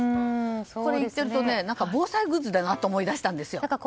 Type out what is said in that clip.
これを言っていると防災グッズだなって思い出したんですよ。